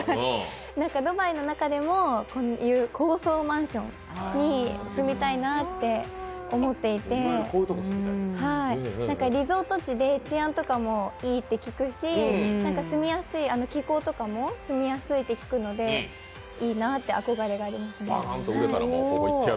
ドバイの中でも、高層マンションに住みたいなって思っていてリゾート地で治安とかもいいって聞くし気候とかも住みやすいって聞くので、いいなって憧れがあります。